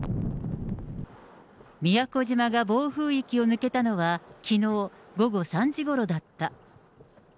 宮古島が暴風域を抜けたのは、きのう午後３時ごろだった。